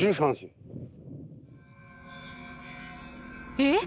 えっ？